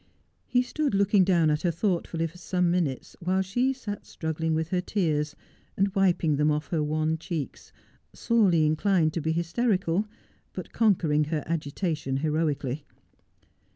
He stood looking down at her thoughtfully for some minutes Poor Lucy. 175 while she sat struggling with her tears, and wiping them off her wan cheeks, sorely inclined to be hysterical, but conquering her agitation heroically.